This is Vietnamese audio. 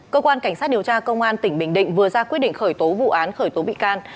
cơ quan cảnh sát điều tra công an tỉnh bình định vừa ra quyết định khởi tố vụ án khởi tố bị can